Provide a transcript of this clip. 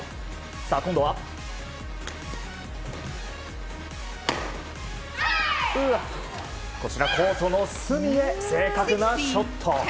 今度は、コートの隅へ正確なショット。